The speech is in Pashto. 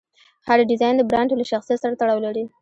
هر ډیزاین د برانډ له شخصیت سره تړاو لري.